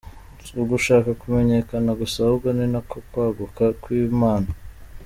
Si ugushaka kumenyekana gusa ahubwo ni no kwaguka kw’impano.